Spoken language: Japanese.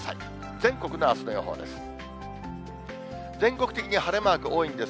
全国のあすの予報です。